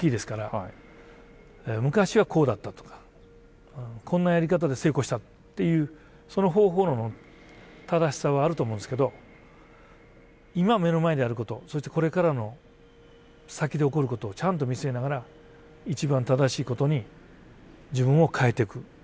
昔はこうだったとかこんなやり方で成功したっていうその方法論の正しさはあると思うんですけど今目の前にあることそしてこれからの先で起こることをちゃんと見据えながら一番正しいことに自分を変えてく。